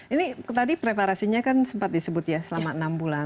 ini tadi preparasinya kan sempat disebut ya selama enam bulan